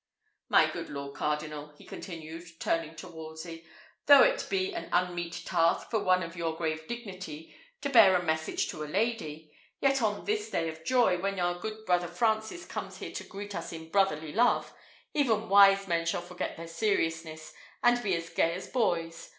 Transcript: My good lord cardinal," he continued, turning to Wolsey, "though it be an unmeet task for one of your grave dignity to bear a message to a lady, yet on this day of joy, when our good brother France comes here to greet us in brotherly love, even wise men shall forget their seriousness and be as gay as boys.